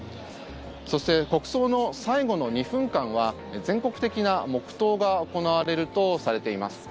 そして、国葬の最後の２分間は全国的な黙祷が行われるとされています。